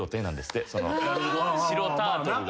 白タートルが。